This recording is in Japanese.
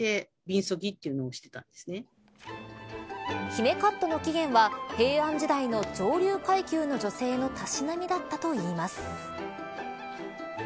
姫カットの起源は平安時代の上流階級の女性のたしなみだったといいます。